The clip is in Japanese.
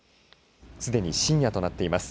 すでに深夜となっています。